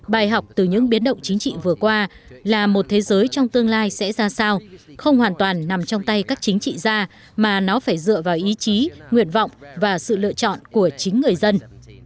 bài học từ những biến động chính trị vừa qua là một thế giới trong tương lai sẽ ra sao không hoàn toàn nằm trong tay các chính trị gia mà nó phải dựa vào ý chí nguyện vọng và sự lựa chọn của chính người dân